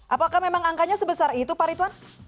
apakah memang angkanya sebesar itu pak ritwan